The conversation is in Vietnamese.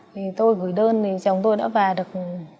thì tôi gửi đơn thì chồng tôi đã vào được